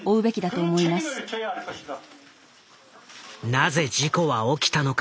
なぜ事故は起きたのか。